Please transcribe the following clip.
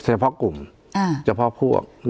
เฉพาะกลุ่มเฉพาะพวก